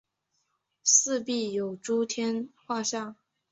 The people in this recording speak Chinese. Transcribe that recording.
四壁有诸天画像。